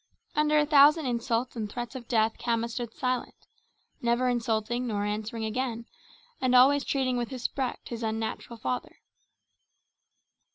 Under a thousand insults and threats of death Khama stood silent, never insulting nor answering again, and always treating with respect his unnatural father.